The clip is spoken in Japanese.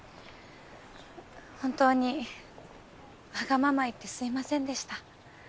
本当にわがまま言ってすみませんでした。